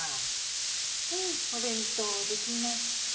はいお弁当できました。